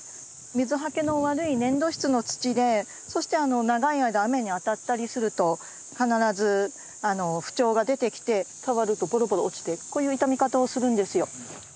水はけの悪い粘土質の土でそして長い間雨に当たったりすると必ず不調が出てきて触るとポロポロ落ちてこういう傷み方をするんですよ。